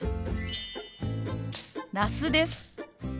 那須です。